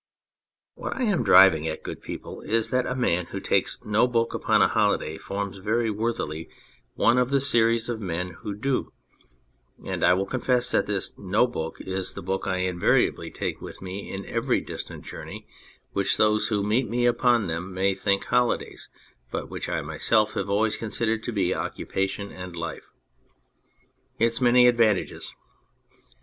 What I am driving at, good people, is that a man who takes no book upon a holiday forms very worthily one of the series of men who do, and I will confess that this No Book is the book I invariably 14 On No Book take with me, in every distant journey which those who meet me upon them may think holidays, but which I myself have always considered to be occupa tion and life. Its many advantages